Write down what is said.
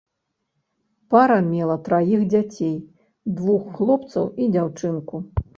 Пара мела траіх дзяцей, двух хлопцаў і дзяўчынку.